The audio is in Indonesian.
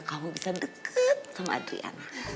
kamu bisa deket sama adrian